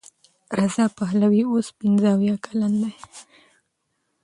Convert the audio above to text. رضا پهلوي اوس پنځه اویا کلن دی.